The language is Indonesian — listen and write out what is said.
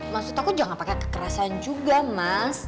maksud aku jangan pakai kekerasan juga mas